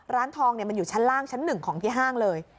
ร้านทองมันอยู่ชั้นล่างชั้นหนึ่งของที่ห้างเลย